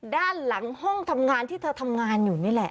ด้านหลังห้องทำงานที่เธอทำงานอยู่นี่แหละ